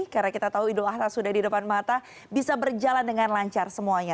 karena kita tahu idul ahad sudah di depan mata bisa berjalan dengan lancar semuanya